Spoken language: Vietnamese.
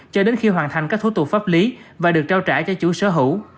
cho đến khi hoàn thành các thủ tục pháp lý và được trao trả cho chủ sở hữu